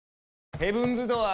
ヘブンズ・ドアー！